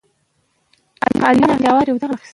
د نړۍ له حالاتو ځان خبر کړئ.